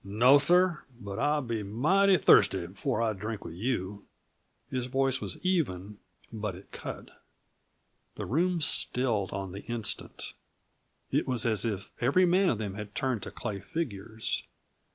"No, sir. But I'll be mighty thirsty before I drink with you." His voice was even, but it cut. The room stilled on the instant; it was as if every man of them had turned to lay figures.